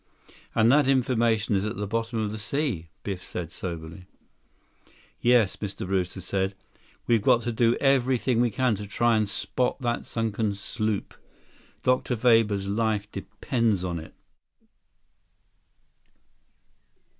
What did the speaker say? "And that information is at the bottom of the sea," Biff said soberly. "Yes," Mr. Brewster said. "We've got to do everything we can to try and spot that sunken sloop. Dr. Weber's life depends on it."